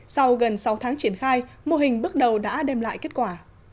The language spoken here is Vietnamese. sau gần sáu tháng triển khai mô hình bước đầu đã đem lại kết quả